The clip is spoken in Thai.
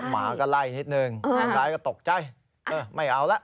หมาก็ไล่นิดนึงคนร้ายก็ตกใจเออไม่เอาละ